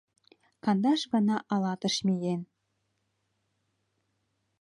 Кандаш гана Алатыш миен